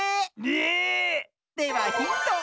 えっ⁉ではヒント。